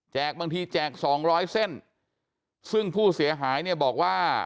บางทีแจกสองร้อยเส้นซึ่งผู้เสียหายเนี่ยบอกว่า